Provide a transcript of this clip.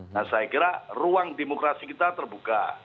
nah saya kira ruang demokrasi kita terbuka